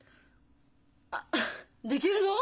あっできるの？